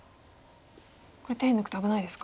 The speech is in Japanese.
これ手抜くと危ないですか。